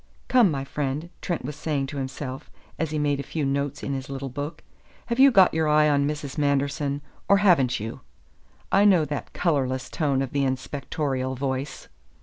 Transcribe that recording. "Come, my friend," Trent was saying to himself, as he made a few notes in his little book. "Have you got your eye on Mrs. Manderson? Or haven't you? I know that colorless tone of the inspectorial voice.